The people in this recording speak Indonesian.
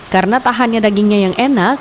karena tahannya dagingnya yang enak